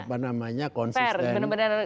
fair benar benar menunjukkan